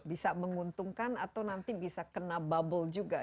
bisa menguntungkan atau nanti bisa kena bubble juga